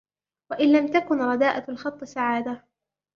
وَإِنْ لَمْ تَكُنْ رَدَاءَةُ الْخَطِّ سَعَادَةً